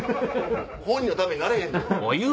本人のためになれへんで。